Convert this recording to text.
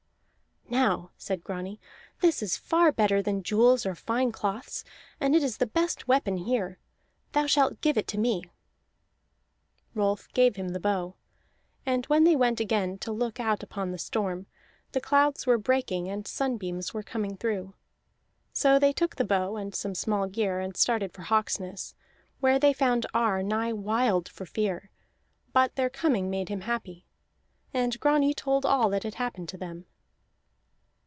"Now," said Grani, "this is far better than jewels or fine cloths, and it is the best weapon here. Thou shalt give it to me." Rolf gave him the bow. And when they went again to look out upon the storm, the clouds were breaking and sunbeams were coming through. So they took the bow and some small gear, and started for Hawksness, where they found Ar nigh wild for fear; but their coming made him happy. And Grani told all that had happened to them.